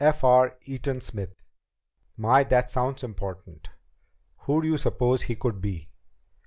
"F. R. Eaton Smith. My, that sounds important. Who do you suppose he could be?"